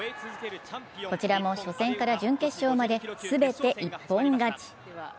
こちらも初戦から決勝まで全て一本勝ち。